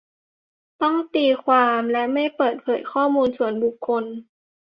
ต้องตีความ และ ไม่เปิดเผยข้อมูลส่วนบุคคล